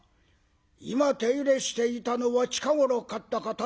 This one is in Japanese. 「今手入れしていたのは近頃買った刀か？」。